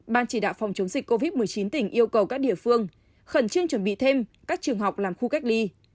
ban chỉ đạo phòng chống dịch covid một mươi chín tỉnh yêu cầu các địa phương khẩn trương chuẩn bị thêm các trường học làm khu cách ly